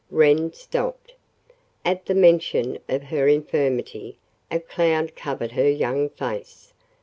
Wren stopped. At the mention of her infirmity a cloud covered her young face.